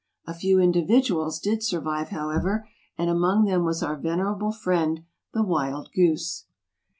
A few individuals did survive, however, and among them was our venerable friend, the wild goose.